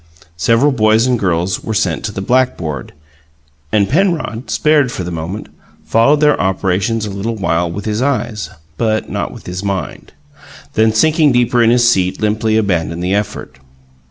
Several boys and girls were sent to the blackboard, and Penrod, spared for the moment, followed their operations a little while with his eyes, but not with his mind; then, sinking deeper in his seat, limply abandoned the effort.